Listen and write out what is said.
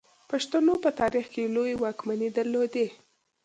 پښتنو په تاریخ کې لویې واکمنۍ درلودې